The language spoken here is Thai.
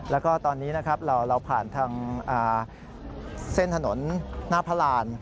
แล้วก็ตอนนี้นะครับเราผ่านทางเส้นถนนหน้าพระราน